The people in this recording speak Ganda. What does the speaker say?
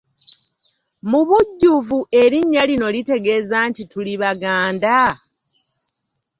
Mu bujjuvu erinnya lino litegeeza nti tuli Baganda?